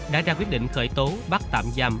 đã ra quyết định khởi tố bắt tạm giam